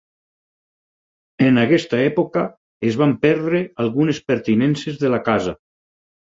En aquesta època es van perdre algunes pertinences de la casa.